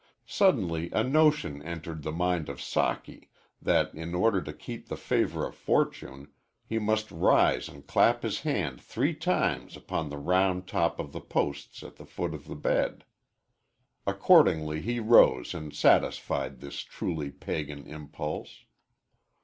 Suddenly a notion entered the mind of Socky that, in order to keep the favor of fortune, he must rise and clap his hand three times upon the round top of the posts at the foot of the bed. Accordingly he rose and satisfied this truly pagan impulse.